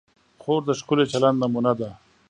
خور د ښکلي چلند نمونه ده.